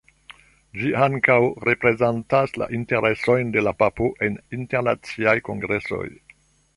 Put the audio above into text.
Ĝi ankaŭ reprezentas la interesojn de la papo en internaciaj kongresoj.